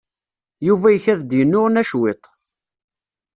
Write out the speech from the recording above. Yuba ikad-d yennuɣna cwiṭ.